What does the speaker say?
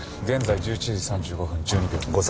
現在１１時３５分１２秒。